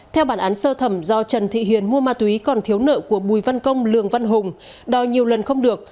theo bản án sơ thẩm do trần thị hiền mua ma túy còn thiếu nợ của bùi văn công lường văn hùng đòi nhiều lần không được